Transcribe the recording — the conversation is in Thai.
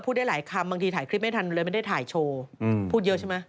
พูดได้หลายคำบางทีถ่ายคลิปไม่ได้ทันเลยไม่ได้ถ่ายโชว์